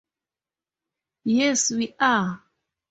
Yes we are!